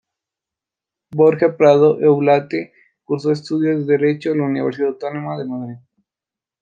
Borja Prado Eulate cursó estudios de Derecho en la Universidad Autónoma de Madrid.